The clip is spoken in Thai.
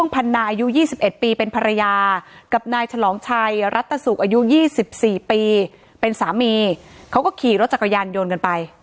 เป็นสามีเขาก็ขี่รถจักรยานยนต์กันไป